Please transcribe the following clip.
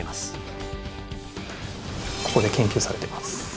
ここで研究されてます。